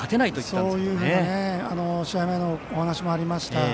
そういう試合前のお話もありました。